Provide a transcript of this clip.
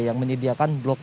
yang menyediakan blokasi